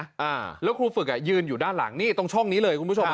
อ่าแล้วครูฝึกอ่ะยืนอยู่ด้านหลังนี่ตรงช่องนี้เลยคุณผู้ชมฮะ